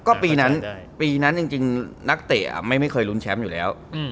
ก็ปีนั้นปีนั้นจริงนักเตะไม่เคยลุ้นแชมป์อยู่แล้ว